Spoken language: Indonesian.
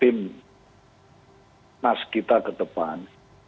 dan kemudian hari bisa menjadi bagian dari timnas kita ketepat